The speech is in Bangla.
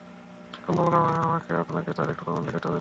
সম্ভব হলে আপনাকে তার একটু প্রমাণ দেখাতে পারি।